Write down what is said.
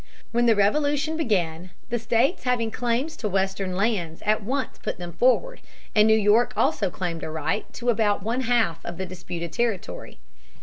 When the Revolution began the states having claims to western lands at once put them forward, and New York also claimed a right to about one half of the disputed territory.